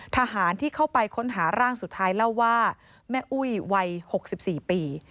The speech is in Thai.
ทหารที่เข้าไปค้นหาร่างสุดท้ายเล่าว่าแม่อุ้ยวัย๖๔ปี